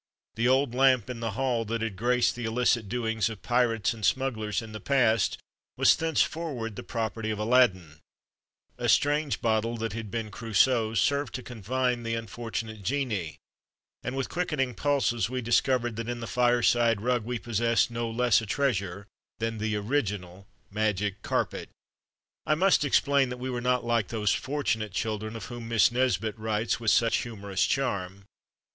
The old lamp in the hall that had graced the illicit THE MAGIC CARPET 79 doings of pirates and smugglers in the past was thenceforward the property of Aladdin ; a strange bottle that had been Crusoe's served to confine the unfortunate genie ; and with quickening pulses we discovered that in the fireside rug we possessed no less a treasure than the original magic carpet. I must explain that we were not like those fortunate children of whom Miss Nesbit writes with such humorous charm.